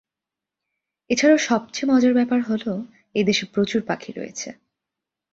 এছাড়াও সবচেয়ে মজার ব্যাপার হলো এই দেশে প্রচুর পাখি রয়েছে।